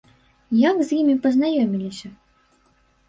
Як з імі пазнаёміліся?